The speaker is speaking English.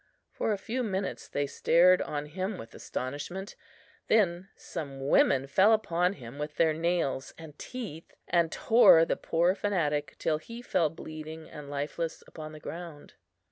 For a few minutes they stared on him with astonishment, then some women fell upon him with their nails and teeth, and tore the poor fanatic till he fell bleeding and lifeless upon the ground.